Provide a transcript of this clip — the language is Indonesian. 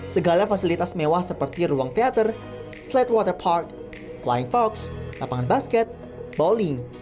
segala fasilitas mewah seperti ruang teater sled water park flying fox lapangan basket bowling